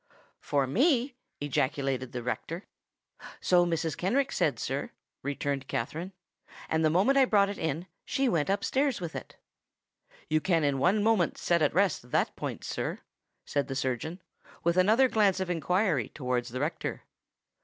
"For me!" ejaculated the rector. "So Mrs. Kenrick said, sir," returned Katherine: "and the moment I brought it in, she went up stairs with it." "You can in one moment set at rest that point, sir," said the surgeon, with another glance of inquiry towards the rector.